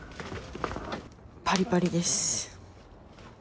パリパリです。